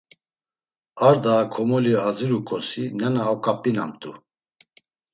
Ar daa komoli aziruǩosi nena oǩap̌inamt̆u.